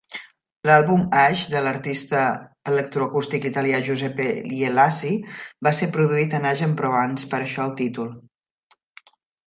L"àlbum Aix de l"artista electroacústic italià Giuseppe Ielasi va ser produït a Aix-en-Provence; per això el títol.